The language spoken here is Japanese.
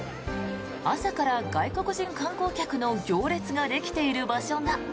朝から外国人観光客の行列ができている場所が。